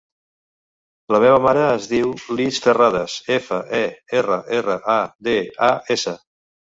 La meva mare es diu Lis Ferradas: efa, e, erra, erra, a, de, a, essa.